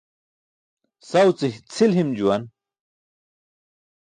Saw ce cʰil him juwan.